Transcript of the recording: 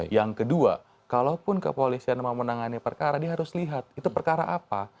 yang kedua kalaupun kepolisian mau menangani perkara dia harus lihat itu perkara apa